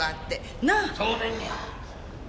そうでんねや。